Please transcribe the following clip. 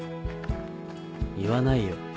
言わないよ